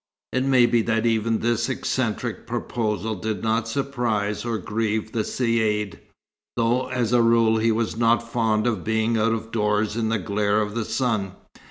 It may be that even this eccentric proposal did not surprise or grieve the Caïd, though as a rule he was not fond of being out of doors in the glare of the sun.